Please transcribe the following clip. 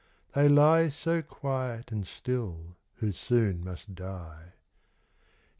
They lie So quiet and still who soon must die.